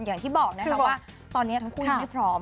อย่างที่บอกนะคะว่าตอนนี้ทั้งคู่ยังไม่พร้อม